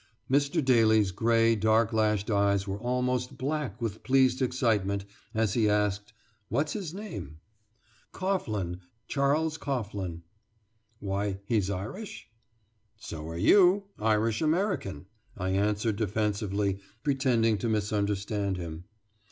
Mr. Daly's gray, dark lashed eyes were almost black with pleased excitement as he asked: "What's his name?" "Coghlan Charles Coghlan." "Why, he's Irish?" "So are you Irish American," I answered defensively, pretending to misunderstand him.